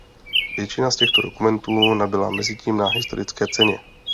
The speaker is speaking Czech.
Většina z těchto dokumentů nabyla mezitím na historické ceně.